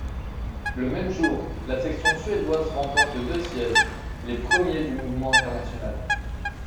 Le même jour, la section suédoise remporte deux sièges, les premiers du mouvement international.